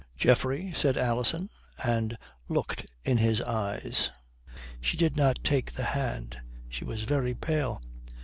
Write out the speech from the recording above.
"Geoffrey," said Alison, and looked in his eyes. She did not take the hand. She was very pale.